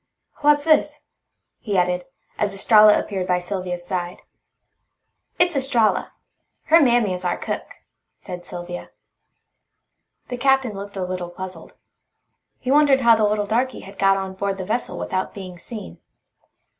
What's this?" he added, as Estralla appeared by Sylvia's side. "It's Estralla. Her mammy is our cook," said Sylvia. The Captain looked a little puzzled. He wondered how the little darky had got on board the vessel without being seen.